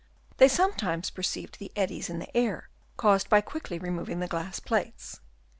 They sometimes perceived the eddies in the air caused by quickly removing the glass plates.